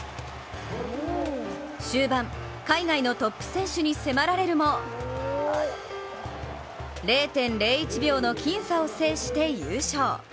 終盤、海外のトップ選手に迫られるも０．０１秒の僅差を制して優勝。